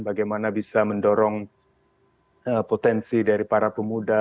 bagaimana bisa mendorong potensi dari para pemuda